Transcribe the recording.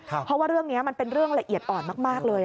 เพราะว่าเรื่องนี้มันเป็นเรื่องละเอียดอ่อนมากเลย